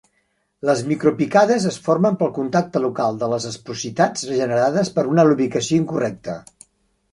Les micropicades es formen pel contacte local de les asprositats generades per una lubricació incorrecta.